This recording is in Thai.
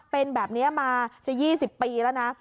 เป็นแบบนี้มาคือจี่สิบปีฯแล้วนะ